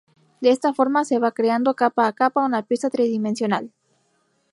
De esta forma se va creando, capa a capa una pieza tridimensional.